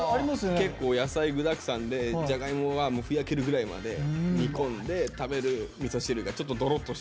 結構野菜具だくさんでジャガイモがふやけるぐらいまで煮込んで食べるみそ汁がちょっとドロッとしててそれが好きなんだよね。